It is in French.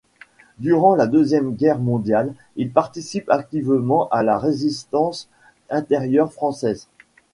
Durant la Deuxième Guerre mondiale, il participe activement à la Résistance intérieure française.